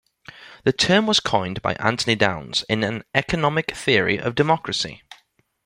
The term was coined by Anthony Downs in "An Economic Theory of Democracy".